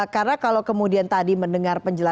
karena kalau kemudian tadi mendengar penjelasan